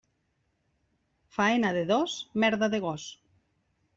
Faena de dos, merda de gos.